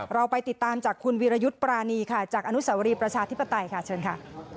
เราไปติดตามจากคุณวิรยุทธ์ปรานีค่ะจากอนุสาวรีประชาธิปไตยค่ะเชิญค่ะ